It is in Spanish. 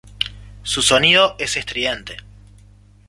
Su sonido es estridente.